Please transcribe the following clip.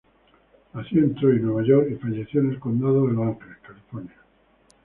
Nació en Troy, Nueva York, y falleció en el Condado de Los Ángeles, California.